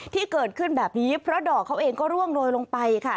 ที่เกิดขึ้นแบบนี้เพราะดอกเขาเองก็ร่วงโรยลงไปค่ะ